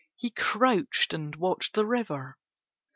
He crouched and watched the river.